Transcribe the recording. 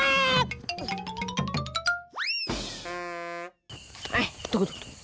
eh tunggu tunggu